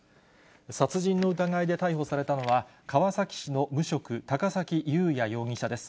殺人の疑いで逮捕されたのは、川崎市の無職、高崎勇也容疑者です。